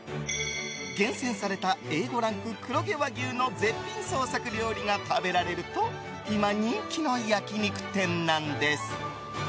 厳選されたＡ５ランク黒毛和牛の絶品創作料理が食べられると今、人気の焼き肉店。